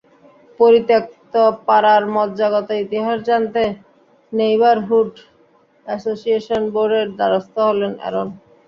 পরিত্যক্ত পাড়ার মজ্জাগত ইতিহাস জানতে নেইবারহুড অ্যাসোসিয়েশন বোর্ডের দ্বারস্থ হলেন অ্যারন।